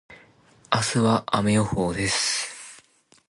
明日は雨予報です。